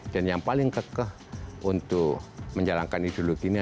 dan yang paling kekeh untuk menjalankan ideologi ini